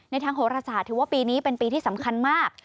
ทางโหรศาสตร์ถือว่าปีนี้เป็นปีที่สำคัญมาก